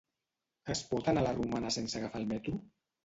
Es pot anar a la Romana sense agafar el metro?